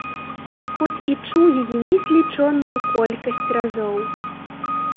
Хоць і чуў яе незлічоную колькасць разоў.